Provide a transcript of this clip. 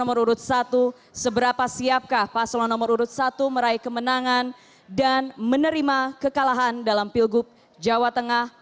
nomor urut satu seberapa siapkah paslon nomor urut satu meraih kemenangan dan menerima kekalahan dalam pilgub jawa tengah